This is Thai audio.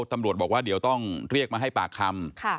ตำรวจบอกว่าเดี๋ยวต้องเรียกมาให้ปากคำ